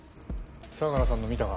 相良さんの見たか？